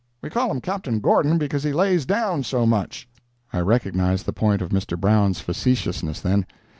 We call him Captain Gordon because he lays down so much." I recognized the point of Mr. Brown's facetiousness then.